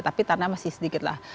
tapi tanah masih sedikit lah